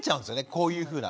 こういうふうな。